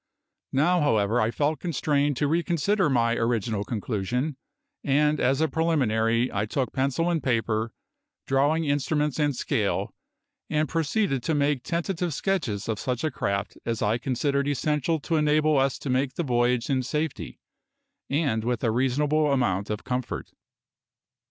Now, however, I felt constrained to reconsider my original conclusion; and as a preliminary I took pencil and paper, drawing instruments and scale, and proceeded to make tentative sketches of such a craft as I considered essential to enable us to make the voyage in safety and with a reasonable amount of comfort.